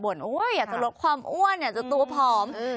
อยากจะลดความอ้วนอยากจะตัวผอม